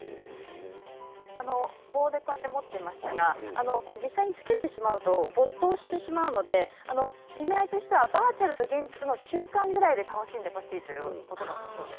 棒で持っていましたが実際に着けてしまうと没頭してしまいますのでバーチャルと現実の中間くらいな感じで楽しんでほしいということです。